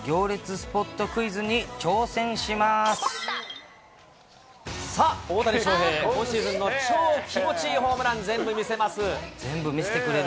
スポットクイズに挑戦さあ、大谷翔平、今シーズンの超気持ちいいホームラン、全部見せてくれる。